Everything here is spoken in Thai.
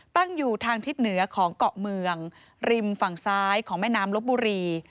ตั้งอยู่ทางทิศเหนือของเกาะเมืองริมฝั่งซ้ายของแม่น้ำลบบุรี